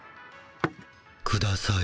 ください。